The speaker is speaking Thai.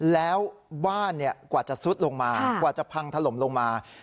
แล้วบ้านกว่าจะซุดลงมากว่าจะพังถล่มลงมา